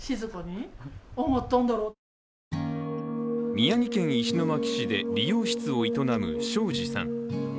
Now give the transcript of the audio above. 宮城県石巻市で理容室を営む庄子さん。